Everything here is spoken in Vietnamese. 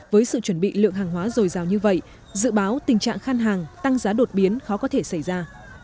với sự chuẩn bị lượng hàng hóa dồi dào như vậy dự báo tình trạng khan hàng tăng giá đột biến khó có thể xảy ra